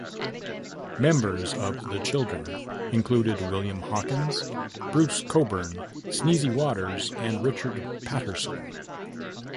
Members of The Children included William Hawkins, Bruce Cockburn, Sneezy Waters and Richard Patterson.